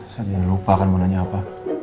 saya jangan lupa akan mau nanya apa